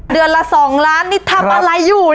เดือนละ๒ล้านนี่ทำอะไรอยู่